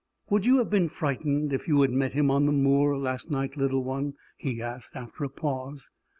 "Would you have been frightened if you had met him on the moor last night, little one?" he asked, after a pause.